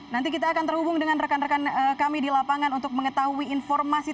nanti kita akan terhubung dengan rekan rekan kami di lapangan untuk mengetahui informasi